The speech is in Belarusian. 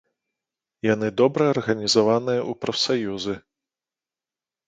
Яны добра арганізаваныя ў прафсаюзы.